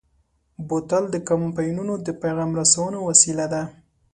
بوتل د کمپاینونو د پیغام رسونې وسیله ده.